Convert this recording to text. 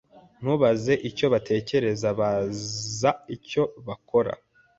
Ntubaze icyo batekereza. Baza icyo bakora.